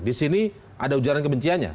di sini ada ujaran kebenciannya